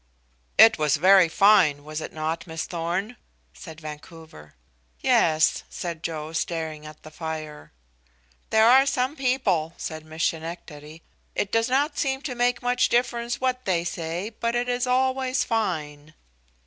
"It was very fine, was it not, Miss Thorn?" said Vancouver. "Yes," said Joe, staring at the fire. "There are some people," said Miss Schenectady, "it does not seem to make much difference what they say, but it is always fine."